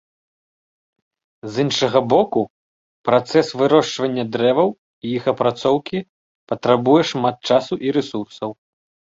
З іншага боку, працэс вырошчвання дрэваў і іх апрацоўкі патрабуе шмат часу і рэсурсаў.